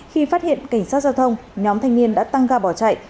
khi phát hiện cảnh sát giao thông nhóm thanh niên đã tăng ga bỏ chạy